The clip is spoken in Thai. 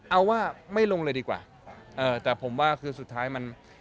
เอาว่าไม่ลงเลยดีกว่าเออแต่ผมว่าคือสุดท้ายมัน